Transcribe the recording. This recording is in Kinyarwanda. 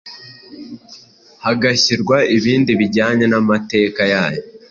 hagashyirwa ibindi bijyanye n’amateka yaho.